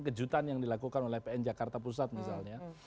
kejutan yang dilakukan oleh pn jakarta pusat misalnya